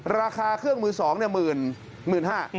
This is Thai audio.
ราคาเครื่องมือ๒๑๕๐๐บาท